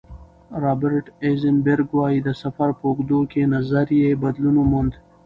رابرټ ایزنبرګ وايي، د سفر په اوږدو کې نظر یې بدلون وموند.